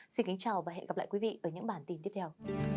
xin kính chào và hẹn gặp lại quý vị ở những bản tin tiếp theo